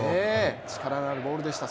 力のあるボールでした。